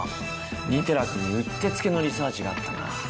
利寺君にうってつけのリサーチがあったな。